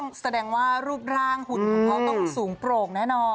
แสดงว่ารูปร่างหุ่นของเขาต้องสูงโปร่งแน่นอน